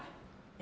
え？